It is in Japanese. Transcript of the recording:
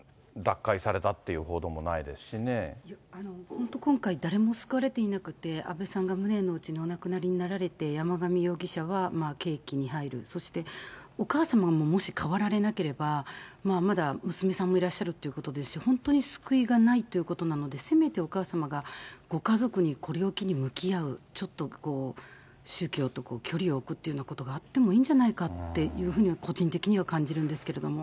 本当、今回、誰も救われていなくて、安倍さんが無念のうちにお亡くなりになられて、山上容疑者は刑務所に入る、そしてお母様ももし変わられなければ、まだ娘さんもいらっしゃるということですし、本当に救いがないということなので、せめてお母様がご家族にこれを機に向き合う、ちょっと宗教と距離を置くっていうようなことがあっても、いいんじゃないかっていうふうに個人的には感じるんですけれども。